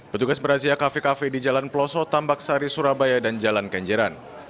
petugas merazia kafe kafe di jalan peloso tambak sari surabaya dan jalan kenjeran